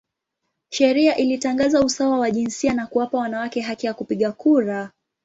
Sheria ilitangaza usawa wa jinsia na kuwapa wanawake haki ya kupiga kura.